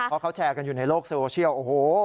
เพราะเขาแชร์กันอยู่ในโลกโซเชียลโอ้โห